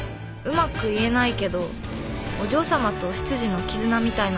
うまく言えないけどお嬢さまと執事の絆みたいなもの